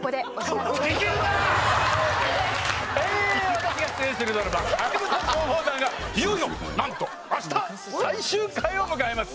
私が出演するドラマ『ハヤブサ消防団』がいよいよなんと明日最終回を迎えます！